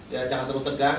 ya jangan terlalu tegas